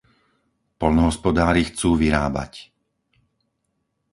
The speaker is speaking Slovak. Poľnohospodári chcú vyrábať!